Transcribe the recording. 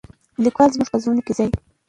لیکوال زموږ په زړونو کې ځای لري.